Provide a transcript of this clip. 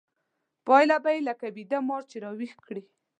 پايله به يې لکه ويده مار چې راويښ کړې.